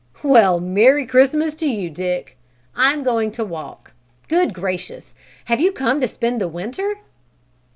"Well, Merry Christmas to you, Dick, I'm going to walk. Good gracious! Have you come to spend the winter?"